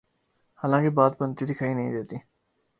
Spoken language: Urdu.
حالانکہ بات بنتی دکھائی نہیں دیتی۔